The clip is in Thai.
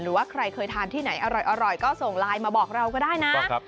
หรือว่าใครเคยทานที่ไหนอร่อยก็ส่งไลน์มาบอกเราก็ได้นะ